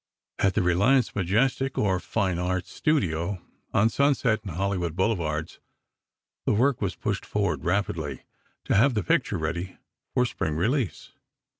At the Reliance Majestic, or Fine Arts studio, on Sunset and Hollywood Boulevards, the work was pushed forward rapidly, to have the picture ready for Spring release.